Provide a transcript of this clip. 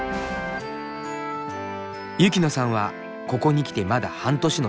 雪乃さんはここに来てまだ半年の新人。